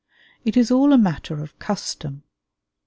It is all a matter of custom.